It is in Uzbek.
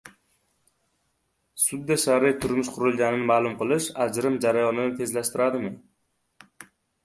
Sudda shar`iy turmush qurilganini ma`lum qilish ajrim jarayonini tezrlashtiradimi?